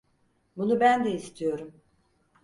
Bunu ben de istiyorum.